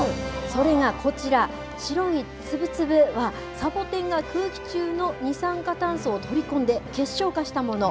それがこちら、白いつぶつぶは、サボテンが空気中の二酸化炭素を取り込んで結晶化したもの。